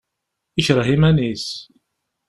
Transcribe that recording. Ikreh iman-is.